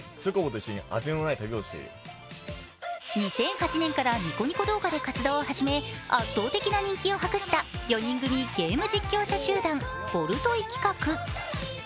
２００８年からニコニコ動画で活動を始め圧倒的な人気を博した４人組ゲーム実況者集団・ボルゾイ企画。